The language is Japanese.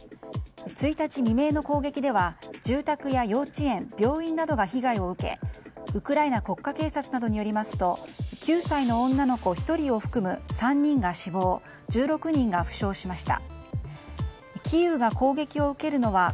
１日未明の攻撃では住宅や幼稚園、病院などが被害を受けウクライナ国家警察などによりますと９歳の女の子１人を含む３人が死亡１６人が負傷しました。